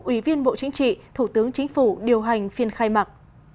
ủy viên bộ chính trị thủ tướng chính phủ điều hành phiên khai mạc